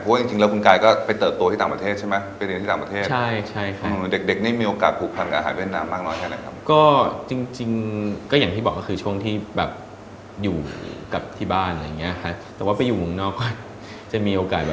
เพราะจริงแล้วคุณกายก็ไปเติบโตที่ต่างประเทศใช่ไหม